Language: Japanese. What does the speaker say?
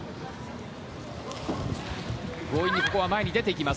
強引にここは前に出ていきます。